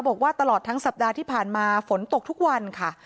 บอกว่าตลอดทั้งสัปดาห์ที่ผ่านมาฝนตกทุกวันค่ะ